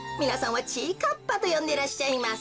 はちぃかっぱとよんでらっしゃいます。